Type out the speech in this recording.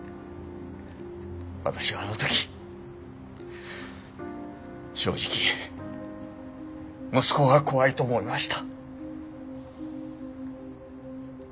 私はあの時正直息子が怖いと思いました。